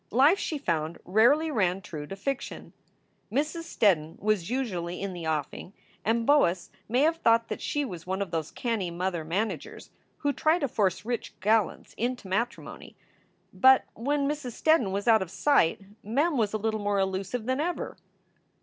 Life, she found, rarely ran true to fiction. Mrs. Steddon was usually in tne offing, and Boas may have thought that she was one of those canny mother managers who try to force rich gallants into matrimony. But when Mrs. Steddon was out of sight Mem was a little more elusive than ever.